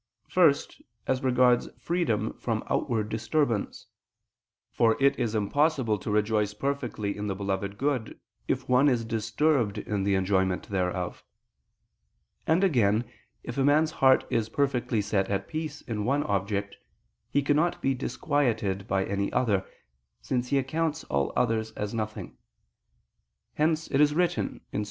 First, as regards freedom from outward disturbance; for it is impossible to rejoice perfectly in the beloved good, if one is disturbed in the enjoyment thereof; and again, if a man's heart is perfectly set at peace in one object, he cannot be disquieted by any other, since he accounts all others as nothing; hence it is written (Ps.